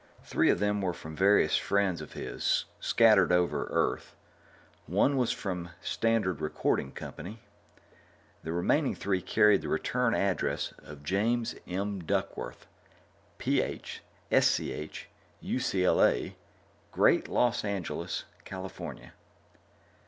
Three of them were from various friends of his scattered over Earth; one was from Standard Recording Company; the remaining three carried the return address of James M. Duckworth, Ph. Sch., U.C.L.A., Great Los Angeles, California.